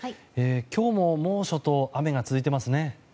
今日も猛暑と雨が続いてますね。